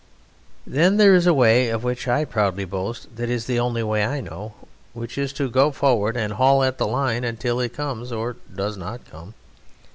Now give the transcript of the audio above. Then there is a way of which I proudly boast that it is the only way I know, which is to go forward and haul at the line until It comes or does not come.